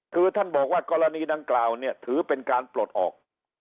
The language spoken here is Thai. คือท่านบอกว่ากรณีดังกล่าวเนี่ยถือเป็นการปลดออก